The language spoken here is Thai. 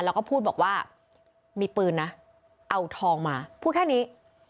แล้วก็พูดบอกว่ามีปืนนะเอาทองมาพูดแค่นี้